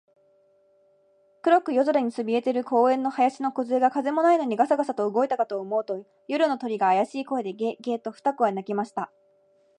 黒く夜空にそびえている公園の林のこずえが、風もないのにガサガサと動いたかと思うと、夜の鳥が、あやしい声で、ゲ、ゲ、と二声鳴きました。